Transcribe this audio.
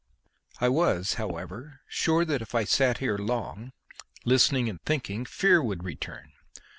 I was, however, sure that if I sat here long, listening and thinking, fear would return.